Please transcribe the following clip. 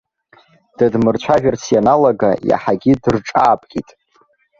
Дыдмырцәажәарц ианалага, иаҳагьы дырҿаапкит.